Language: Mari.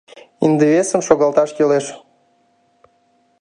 Ынде весым шогалташ кӱлеш!